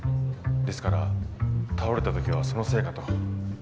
ですから倒れたときはそのせいかと。